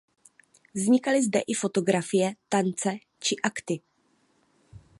Vznikaly zde i fotografie tance či akty.